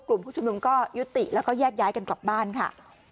กลุ่มผู้ชุมนุมก็ยุติแล้วก็แยกย้ายกันกลับบ้านค่ะ